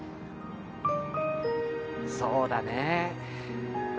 そうだね。